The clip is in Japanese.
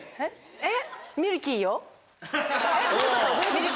えっ！